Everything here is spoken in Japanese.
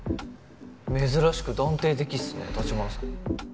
珍しく断定的っすね城華さん。